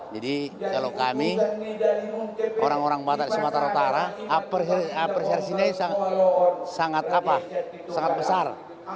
jadi kalau kami orang orang batak di sumatera utara apresiasinya sangat apa sangat besar